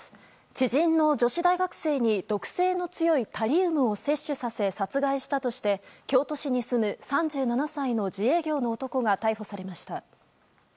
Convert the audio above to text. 知人の女性大学生に毒性の強いタリウムを摂取させ殺害したとして、京都市に住む３７歳の自営業の男が逮捕されました。